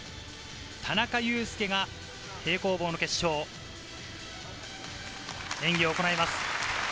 田中佑典が平行棒の決勝の演技を行います。